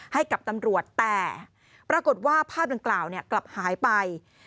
ให้กับตำรวจแต่ปรากฏว่าภาพดังกล่าวกลับหายไป